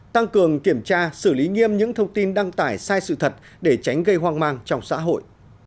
tăng cường kiểm tra xử lý nghiêm những thông tin đăng tải sai sự thật để tránh gây hoang mang trong xã hội